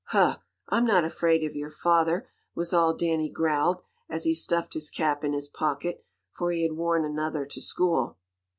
"Huh! I'm not afraid of your father!" was all Danny growled, as he stuffed his cap in his pocket, for he had worn another to school.